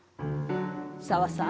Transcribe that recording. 紗和さん。